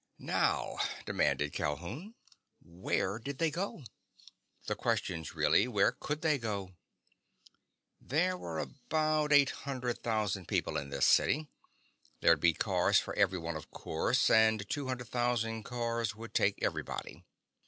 "Now," demanded Calhoun, "where did they go? The question's really where could they go! There were about eight hundred thousand people in this city. There'd be cars for everyone, of course, and two hundred thousand cars would take everybody.